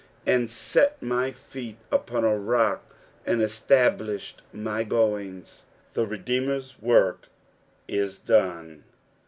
^^ And aft tny feet upon a rock, and utahluhed my goiiig»." The Re deemer's work is dune.